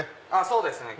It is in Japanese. そうですね